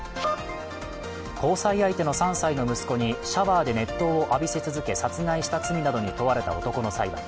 交際相手の３歳の息子にシャワーで熱湯を浴びせ続け殺害した罪などに問われた男の裁判。